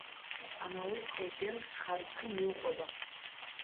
ამავე კედელს ხარისხი მიუყვება.